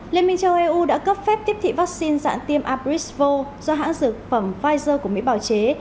liên minh châu âu đã cấp phép tiếp thị vaccine dạng tiêm abrisvo do hãng dược phẩm pfizer của mỹ bảo chế